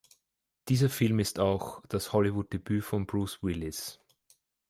Dieser Film ist auch das Hollywood-Debüt von Bruce Willis.